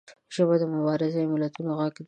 ژبه د مبارزو ملتونو غږ دی